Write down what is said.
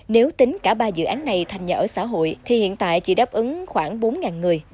nếu tính cả ba dự án này thành nhà ở xã hội thì hiện tại chỉ đáp ứng khoảng bốn người